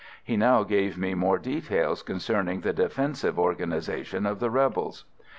He now gave me more details concerning the defensive organisation of the rebels.